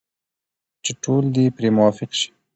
چې ټول دې پرې موافق شي.